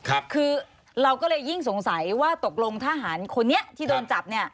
คือเราก็เลยยิ่งสงสัยว่าตกลงทหารคนนี้ที่โดนจับเนี่ย